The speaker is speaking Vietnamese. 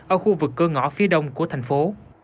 ở khu vực cơ ngõ phía đông của thành phố